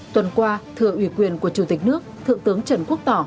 tuần qua thừa ủy quyền của chủ tịch nước thượng tướng trần quốc tỏ